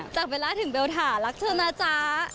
จากเวลาถึงเบลถารักเธอนะจ๊ะ